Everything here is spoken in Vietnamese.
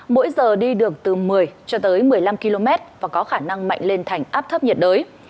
mỗi giờ đi được từ một mươi cho tới một mươi năm km và có khả năng mạnh lên thành áp thấp nhiệt đới